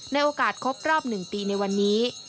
ในโอกาสครบรอบ๑ปีในวันนี้